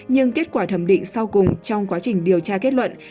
nhưng kết quả thẩm định sau cùng trong quá trình điều tra kết luận